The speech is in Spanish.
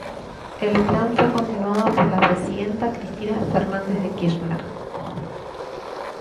El Plan fue continuado por la presidenta Cristina Fernández de Kirchner.